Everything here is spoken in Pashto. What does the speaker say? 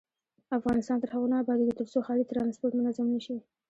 افغانستان تر هغو نه ابادیږي، ترڅو ښاري ترانسپورت منظم نشي.